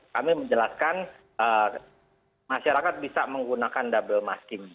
kami menjelaskan masyarakat bisa menggunakan double masking